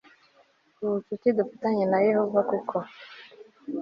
ubucuti dufitanye na Yehova kuko